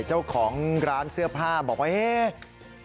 เจ้าของร้านเสื้อผ้าบอกว่าเฮ้